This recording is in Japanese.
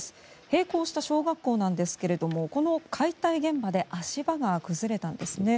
閉校した小学校なんですがこの解体現場で足場が崩れたんですね。